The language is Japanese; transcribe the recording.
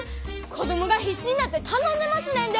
子供が必死になって頼んでますねんで！